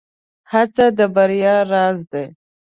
هڅه د بريا راز دی.